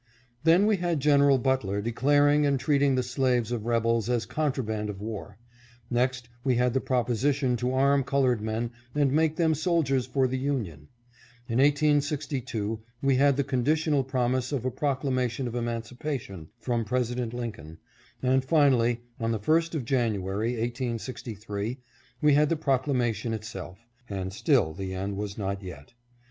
Then we had General Butler declaring and treating the slaves of rebels as contraband of war ; next we had the proposi tion to arm colored men and make them soldiers for the Union. In 1862 we had the conditional promise of a proclamation of emancipation from President Lincoln, and, finally, on the 1st of January, 1863, we had the proclamation itself — and still the end was not yet.